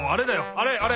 あれあれ！